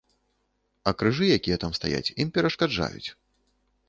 А крыжы, якія там стаяць, ім перашкаджаюць.